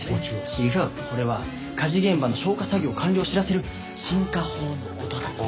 違うこれは火事現場の消火作業完了を知らせる鎮火報の音だと。